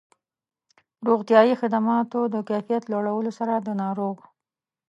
روغتیایي خدماتو د کيفيت لوړولو سره د ناروغ